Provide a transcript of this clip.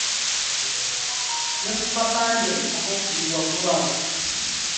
Ne ku kapande akookubiri waggulu awo.